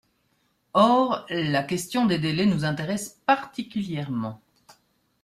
Or la question des délais nous intéresse particulièrement.